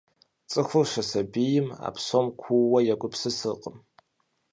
Цӏыхур щысабийм а псом куууэ егупсысыркъым.